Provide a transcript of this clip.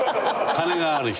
金がある人。